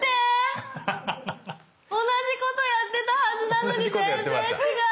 同じことやってたはずなのに全然違う！